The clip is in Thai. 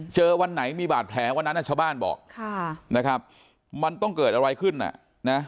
เจอวันไหนมีบาดแผลวันนั้นนัชบ้านบอกมันต้องเกิดอะไรขึ้นน่ะ